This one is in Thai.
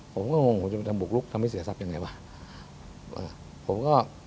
ผมก็หงวงผมจะไปทำบุกลุกทำให้เสียทรัพย์ยังไงบ้าง